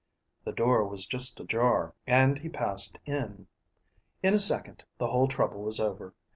The door was just ajar and he passed in. In a second the whole trouble was over.